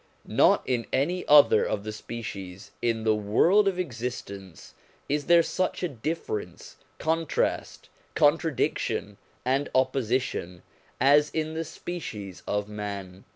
Not in any other of the species in the world of existence is there such a difference, contrast, contradic tion, and opposition, as in the species of man.